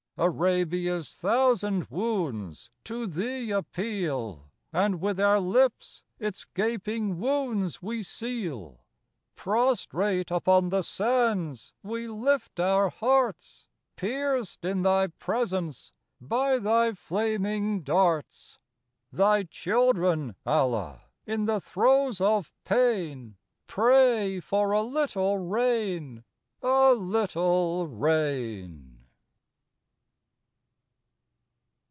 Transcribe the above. Arabia's thousand wounds to thee appeal, And with our lips its gaping wounds we seal; Prostrate upon the sands we lift our hearts, Pierced in thy presence by thy flaming darts. Thy children, Allah, in the throes of pain. Pray for a little rain, a little rain!